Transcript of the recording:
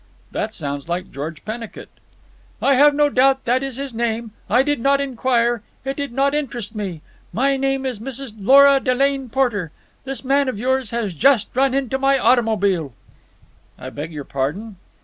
"That sounds like George Pennicut." "I have no doubt that that is his name. I did not inquire. It did not interest me. My name is Mrs. Lora Delane Porter. This man of yours has just run into my automobile." "I beg your pardon?"